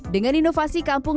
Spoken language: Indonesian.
dengan inovasi kampung